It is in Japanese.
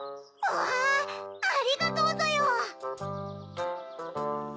ありがとうぞよ！